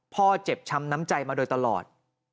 พ่อเจ็บช้ำน้ำใจมาโดยตลอด